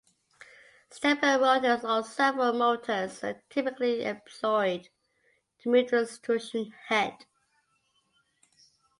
Stepper motors or servo motors are typically employed to move the extrusion head.